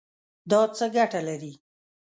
دا څه ګټه لري؟